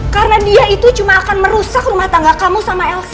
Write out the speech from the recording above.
karena dia itu cuma akan merusak rumah tangga kamu sama elsa